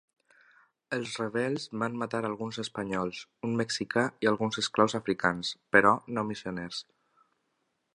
Els rebels van matar alguns espanyols, un mexicà i alguns esclaus africans, però no missioners.